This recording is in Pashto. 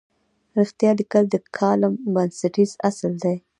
رښتیا لیکل د کالم بنسټیز اصل دی.